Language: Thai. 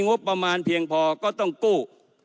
งบประมาณเพียงพอก็ต้องกู้